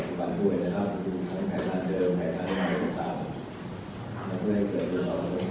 การเลือกตั้งของการตอบตอบตามที่เราร่วมกันเป็นละครทัศน์ภาพ